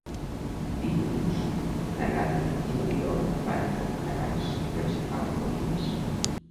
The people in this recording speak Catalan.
Dilluns na Nàdia i n'Oriol van a Fontanars dels Alforins.